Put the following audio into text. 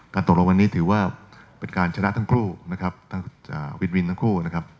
ตกลงวันนี้ถือว่าเป็นการชนะทั้งคู่นะครับทั้งวินวินทั้งคู่นะครับ